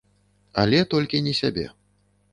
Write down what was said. Але толькі не сябе.